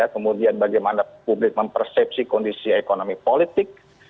kemudian bagaimana publik mempersepsi kondisi ekonomi politik